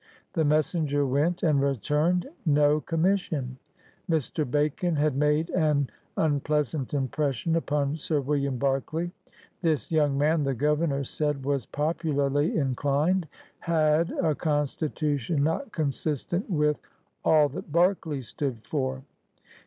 The messenger went and returned. No com mission. Mr. Bacon had made an unpleasant im pression upon Sir William Berkeley. This young man, the Governor said, was "popularly inclined" — had "a constitution not consistent with" all that Berkeley stood for.